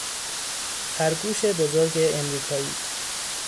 خرگوش بزرگ امریکایی